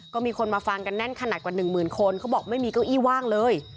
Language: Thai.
ก็มีคนมาฟังกันแน่นขนาดกว่าหนึ่งหมื่นคนเขาบอกไม่มีเก้าอี้ว่างเลย